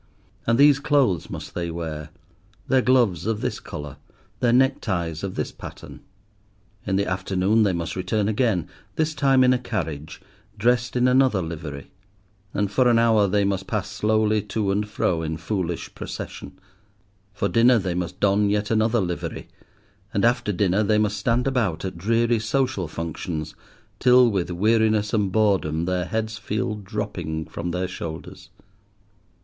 And these clothes must they wear; their gloves of this colour, their neck ties of this pattern. In the afternoon they must return again, this time in a carriage, dressed in another livery, and for an hour they must pass slowly to and fro in foolish procession. For dinner they must don yet another livery, and after dinner they must stand about at dreary social functions till with weariness and boredom their heads feel dropping from their shoulders.